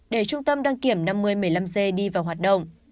để trung tâm đăng kiểm năm mươi một mươi năm g đi vào hoạt động